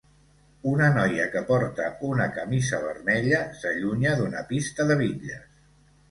Una noia que porta una camisa vermella s'allunya d'una pista de bitlles.